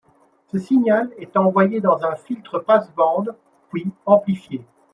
Ce signal est envoyé dans un filtre passe-bande, puis amplifié.